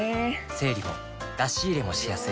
整理も出し入れもしやすい